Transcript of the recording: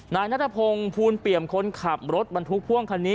นายนัทพงศ์ภูลเปี่ยมคนขับรถบรรทุกพ่วงคันนี้